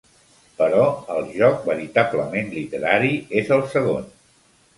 Però el joc veritablement literari és el segon.